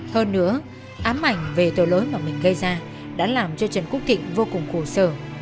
hơn nữa ám ảnh về tội lỗi mà mình gây ra đã làm cho trần quốc thịnh vô cùng khổ sở